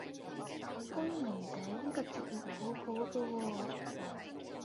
光明頂呢個節目好好個喎